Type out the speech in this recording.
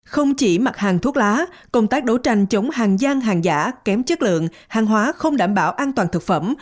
không chỉ mặt hàng thuốc lá công tác đấu tranh chống hàng giang hàng giả kém chất lượng hàng hóa không đảm bảo an toàn thực phẩm